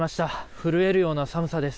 震えるような寒さです。